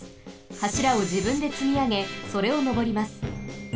はしらをじぶんでつみあげそれをのぼります。